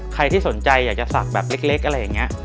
ใครที่สนใจอยากจะศักดิ์แบบเล็กอะไรอย่างนี้